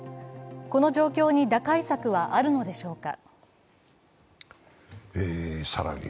この状況に打開策はあるのでしょうか。